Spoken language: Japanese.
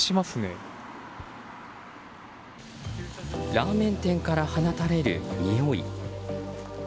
ラーメン店から放たれるにおい。